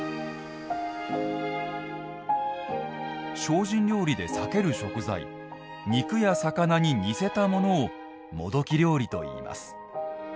精進料理で避ける食材肉や魚に似せたものをもどき料理といいます。